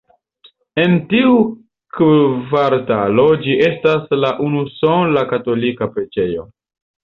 En tiu kvartalo ĝi estas la unusola katolika preĝejo.